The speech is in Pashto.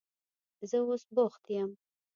زه اوس بوخت یم.